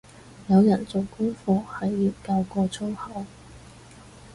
有人做功課係研究過粗口